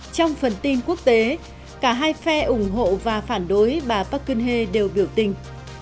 trong phần tin quốc tế cả hai phe ủng hộ và phản đối bà park geun hye đều biểu tình